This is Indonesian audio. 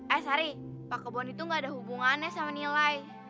eh sari pak kebon itu gak ada hubungannya sama nilai